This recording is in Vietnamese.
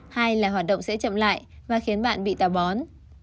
hai là hoạt động sẽ chậm lại và khiến bạn bị tà bón